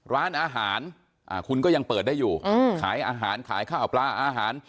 ร้านอาหารคุณก็ยังเปิดได้อยู่ขายอาหารขายข้าวปลาอาหาร